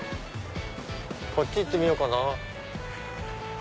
こっち行ってみようかな。